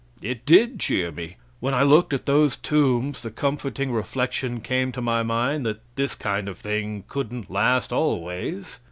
It did cheer me! When I looked at those tombs the comforting reflection came to my mind that this kind of thing couldn't last always.